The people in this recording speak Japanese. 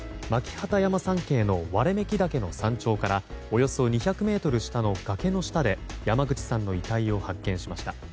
機山山系の割引岳の山頂からおよそ２００ｍ下の崖の下で山口さんの遺体を発見しました。